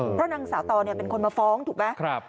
เพราะนางสาวตอเป็นคนมาฟ้องถูกไหม